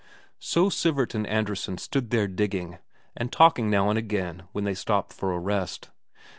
So Sivert and Andresen stood there digging, and talking now and again when they stopped for a rest.